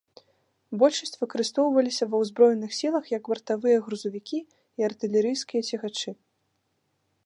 Большасць выкарыстоўваліся ва ўзброеных сілах як бартавыя грузавікі і артылерыйскія цягачы.